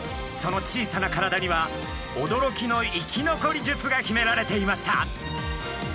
その小さな体にはおどろきの生き残り術が秘められていました。